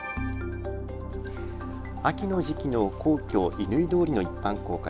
秋の時期の皇居、乾通りの一般公開。